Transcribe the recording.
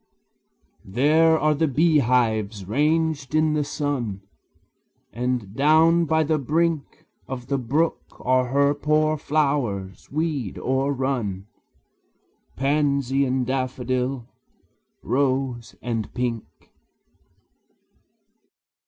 There are the beehives ranged in the sun; And down by the brink Of the brook are her poor flowers, weed o'errun, Pansy and daffodil, rose and pink.